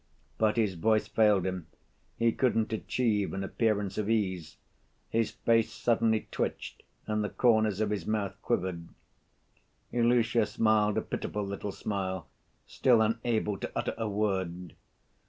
But his voice failed him, he couldn't achieve an appearance of ease; his face suddenly twitched and the corners of his mouth quivered. Ilusha smiled a pitiful little smile, still unable to utter a word.